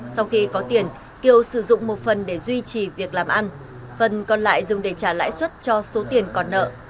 sau khi có tiền kiều sử dụng một phần để duy trì việc làm ăn phần còn lại dùng để trả lãi suất cho số tiền còn nợ